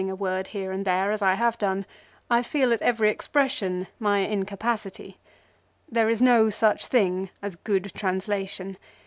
a word here and there as I have done, I feel at every expression my incapacity. There is no such thing as good translation.